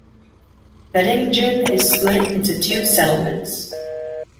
Bettingen is split into two settlements.